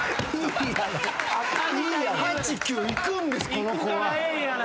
この子は。